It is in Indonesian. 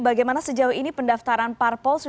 bagaimana sejauh ini pendaftaran parpol